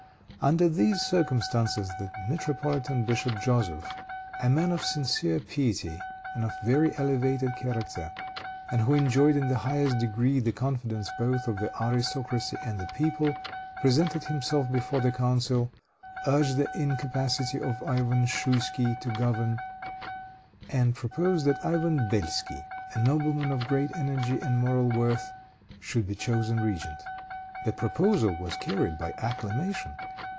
Under these circumstances the metropolitan bishop, Joseph, a man of sincere piety and of very elevated character, and who enjoyed in the highest degree the confidence both of the aristocracy and of the people, presented himself before the council, urged the incapacity of Ivan Schouisky to govern, and proposed that Ivan Belsky, a nobleman of great energy and moral worth, should be chosen regent. The proposal was carried by acclamation.